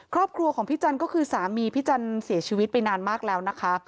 ครอบครัวของพี่จันก็คือสามีพี่จันเสียชีวิตไปนานมากแล้วนะคะ